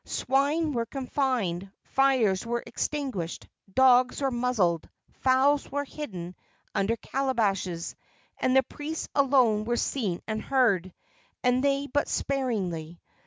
Swine were confined, fires were extinguished, dogs were muzzled, fowls were hidden under calabashes, and the priests alone were seen and heard, and they but sparingly.